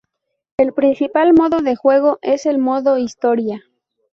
El principal modo de juego es el "modo historia".